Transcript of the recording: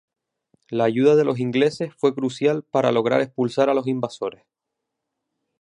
La ayuda de los ingleses fue crucial para lograr expulsar a los invasores.